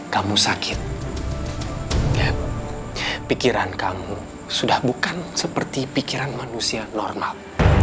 kamu sakit pikiran kamu sudah bukan seperti pikiran manusia normal